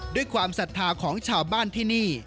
ความศรัทธาของชาวบ้านที่นี่